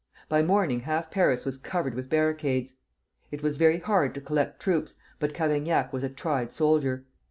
By morning half Paris was covered with barricades. It was very hard to collect troops, but Cavaignac was a tried soldier.